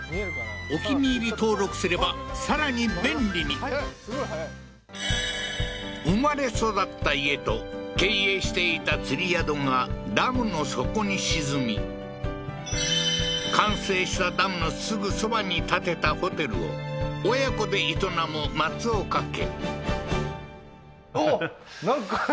キリン「陸」生まれ育った家と経営していた釣り宿がダムの底に沈み完成したダムのすぐそばに建てたホテルを親子で営む松岡家